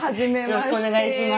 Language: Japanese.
よろしくお願いします